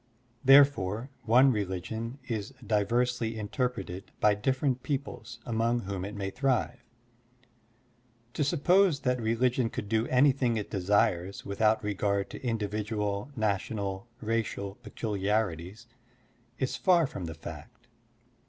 Therefore, one religion is diversely interpreted by different peoples among whom it may thrive. To suppose that religion could do anything it desires without regard to indi vidual, national, racial peculiarities is far from the fact.